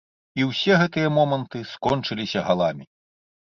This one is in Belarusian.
І ўсе гэтыя моманты скончыліся галамі!